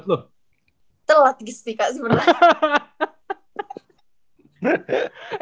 telat sih kak sebenernya